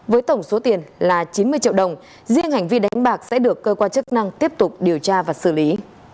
với tổng số tiền là chín mươi triệu đồng riêng hành vi đánh bạc sẽ được cơ quan chức năng tiếp tục điều tra và xử lý